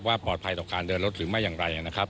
ปลอดภัยต่อการเดินรถหรือไม่อย่างไรนะครับ